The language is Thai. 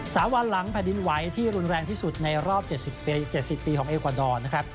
สามวันหลังแผ่นดินไหวที่รุนแรงที่สุดในรอบ๗๐ปีของเอกวาดอร์นะครับ